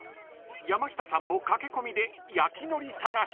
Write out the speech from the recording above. ［山下さんも駆け込みで焼のり探し］